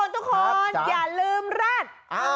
ทุกคนอย่าลืมแร็ด